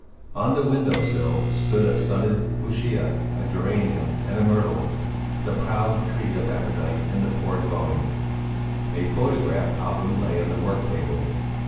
On the window sill stood a stunted fuchsia, a geranium and a myrtle the proud tree of Aphrodite in the poor dwelling. A photograph album lay on the work table.